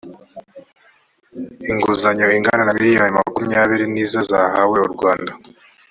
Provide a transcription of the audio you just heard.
inguzanyo ingana na miliyoni makumyabiri nizo zahawe u rwanda